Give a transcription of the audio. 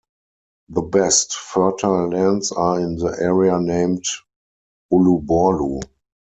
The best fertile lands are in the area named Uluborlu.